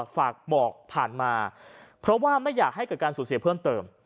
ฝากบอกผ่านมาเพราะว่าไม่อยากให้เกิดการสูญเสียเพิ่มเติม